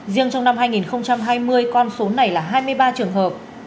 riêng trong năm hai nghìn hai mươi con số này là hai mươi ba trường hợp